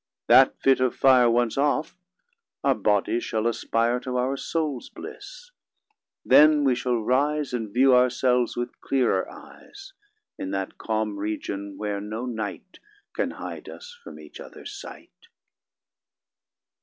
That fit of fire Once off, our bodies shall aspire To our souls' bliss: then we shall rise, And view ourselves with clearer eyes In that calm region, where no night Can hide us from each other's sight.